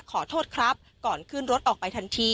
ขอโทษครับก่อนขึ้นรถออกไปทันที